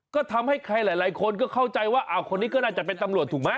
ก็ทำให้ใครหลายคนก็เข้าใจว่าอ้าวคนนี้ก็น่าจะเป็นตำรวจถูกไหม